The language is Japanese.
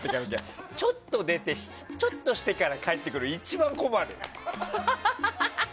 ちょっと出て、ちょっとしてから帰ってくるの一番困る。